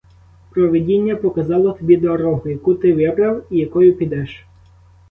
Провидіння показало тобі дорогу, яку ти вибрав, і якою підеш.